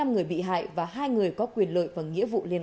chín mươi năm người bị hại và hai người có quyền định